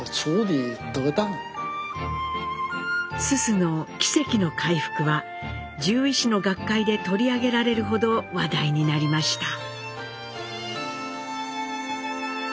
蘇蘇の「奇跡の回復」は獣医師の学会で取り上げられるほど話題になりました。